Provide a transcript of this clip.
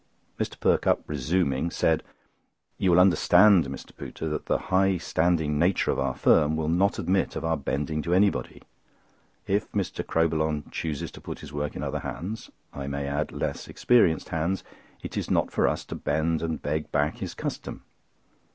Mr. Perkupp, resuming, said: "You will understand, Mr. Pooter, that the high standing nature of our firm will not admit of our bending to anybody. If Mr. Crowbillon chooses to put his work into other hands—I may add, less experienced hands—it is not for us to bend and beg back his custom."